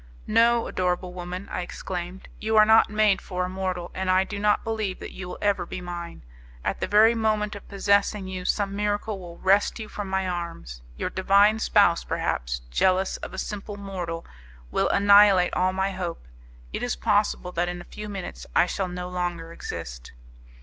"No, adorable woman," I exclaimed, "you are not made for a mortal, and I do not believe that you will ever be mine. At the very moment of possessing you some miracle will wrest you from my arms. Your divine spouse, perhaps, jealous of a simple mortal, will annihilate all my hope. It is possible that in a few minutes I shall no longer exist."